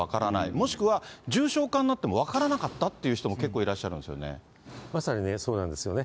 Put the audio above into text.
もしくは重症化になっても分からなかったという人も結構いらっしまさにね、そうなんですよね。